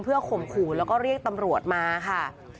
เพื่อข่มขู่แล้วก็เรียกตำรวจมาค่ะ